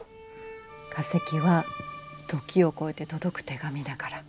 化石は時を超えて届く手紙だから。